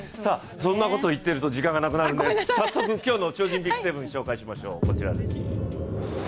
そんなこと言ってると時間がなくなるんで早速、今日の超人ＢＩＧ７を紹介します。